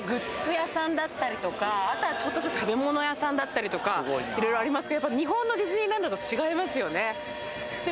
屋さんだったりとかあとはちょっとした食べ物屋さんだったりとか色々ありますけどやっぱ日本のディズニーランドと違いますよねねえ